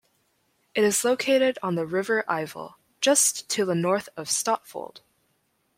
It is located on the River Ivel, just to the north of Stotfold.